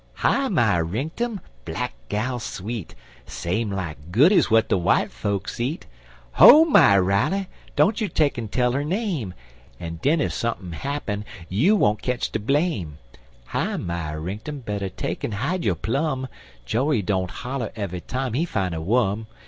Hi my rinktum! Black gal sweet, Same like goodies w'at de w'ite folks eat; Ho my Riley! don't you take'n tell 'er name, En den ef sumpin' happen you won't ketch de blame; Hi my rinktum! better take'n hide yo' plum; Joree don't holler eve'y time he fine a wum.